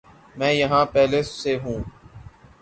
میں یہاں پہلے سے ہوں